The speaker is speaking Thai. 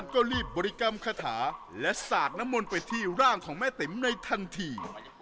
ก็รีบบริกรรมคาถาและสาดน้ำมนต์ไปที่ร่างของแม่ติ๋มในทันที